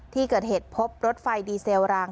ที่เกิดเหตุพบรถไฟดีเซลราง